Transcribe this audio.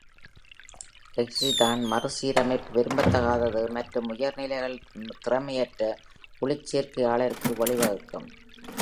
Exciton மறுசீரமைப்பு விரும்பத்தகாதது மற்றும் உயர் நிலைகள் திறமையற்ற ஒளிச்சேர்க்கையாளருக்கு வழிவகுக்கும்.